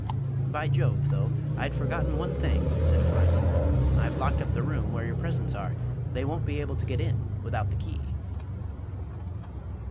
"By Jove, though, I'd forgotten one thing," said Horace: "I've locked up the room where your presents are they won't be able to get in without the key."